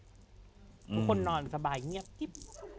ทุกคนนอนสบายเงียบกิ๊บ